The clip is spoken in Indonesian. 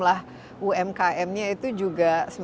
silakan beri dukungan